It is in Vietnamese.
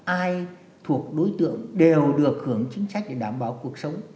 ai thuộc đối tượng đều được hưởng chính sách để đảm bảo cuộc sống